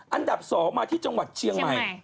อันดับ๒มาที่จังหวัดเชียงใหม่